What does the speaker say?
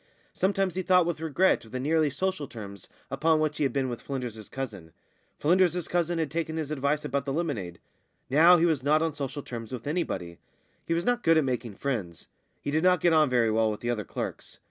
Sometimes he thought with regret of the nearly social terms upon which he had been with Flynders's cousin; Flynders's cousin had taken his advice about the lemonade. Now he was not on social terms with anybody. He was not good at making friends. He did not get on very well with the other clerks.